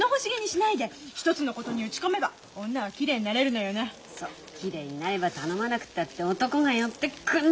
きれいになれば頼まなくたって男が寄ってくんのよ。